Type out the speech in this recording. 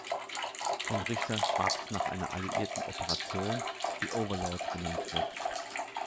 Von Richter fragt nach einer alliierten Operation, die "Overlord" genannt wird.